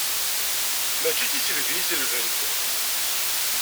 Mačči d tiselbi i selbent.